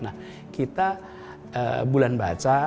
nah kita bulan baca